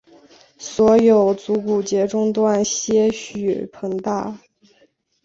所有足股节中段些许膨大。